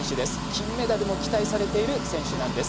金メダルを期待されている選手なんです。